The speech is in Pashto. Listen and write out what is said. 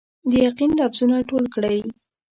د یقین لفظونه ټول کړئ